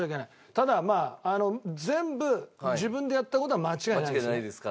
ただ全部自分でやった事は間違いないですね。